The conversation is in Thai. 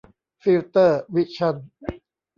ฟิลเตอร์ วิชั่น